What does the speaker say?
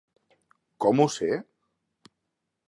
Com ho sé?